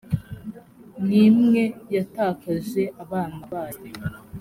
n imwe yatakaje abana bayo